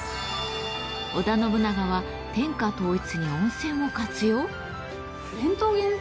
織田信長は天下統一に温泉を活用？